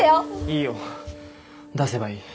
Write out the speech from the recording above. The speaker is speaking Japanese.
いいよ出せばいい。